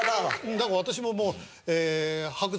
だから私ももう。